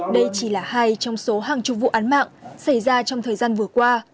đây chỉ là hai trong số hàng chục vụ án mạng xảy ra trong thời gian vừa qua